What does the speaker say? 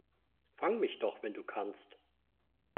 Fang mich doch, wenn du kannst!